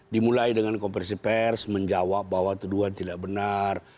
dimulai dengan kompresi pers menjawab bahwa kedua tidak benar